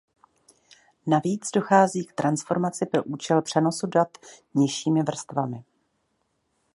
Navíc dochází k transformaci pro účel přenosu dat nižšími vrstvami.